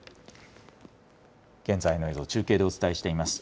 現在の映像、中継でお伝えしています。